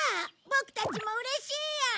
ボクたちもうれしいよ！